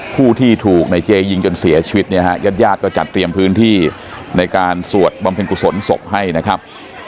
ผู้ที่ถูกในเจยิงจนเสียชีวิตเนี้ยฮะยาดก็จัดเตรียมพื้นที่ในการสวจบำเพลินประสดงศพให้นะครับ